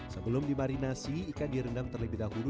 sebelum dimarinasi ikan direndam terlebih dahulu